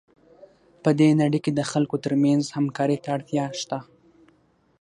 په دې نړۍ کې د خلکو ترمنځ همکارۍ ته اړتیا شته.